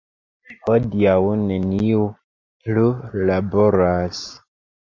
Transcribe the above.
Hodiaŭ neniu plu laboras.